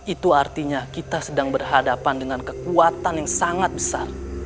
itu artinya kita sedang berhadapan dengan kekuatan yang sangat besar